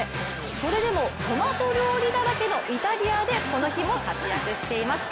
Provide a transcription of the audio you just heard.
それでもトマト料理だらけのイタリアでこの日も活躍しています。